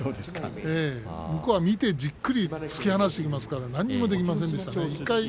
向こうは見てじっくり突き放していきますから何もできませんでした。